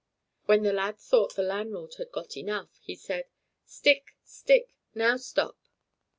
When the lad thought the landlord had got enough, he said: "Stick, stick! now stop!"